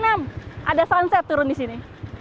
ada sunset turun di sini